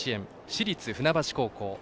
市立船橋高校。